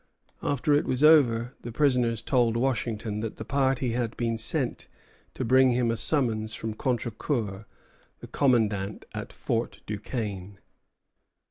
After it was over, the prisoners told Washington that the party had been sent to bring him a summons from Contrecœur, the commandant at Fort Duquesne.